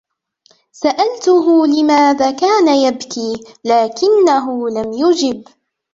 سألته لماذا كان يبكي ، لكنه لم يجب.